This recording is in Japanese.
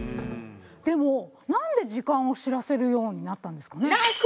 でもなんで時間を知らせるようになったんですかね？